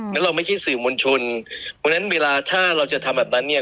แล้วเราไม่ใช่สื่อมวลชนเพราะฉะนั้นเวลาถ้าเราจะทำแบบนั้นเนี่ย